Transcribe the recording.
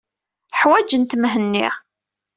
Ḥwajent Mhenni.